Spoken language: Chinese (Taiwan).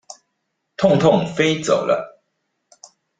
痛痛飛走了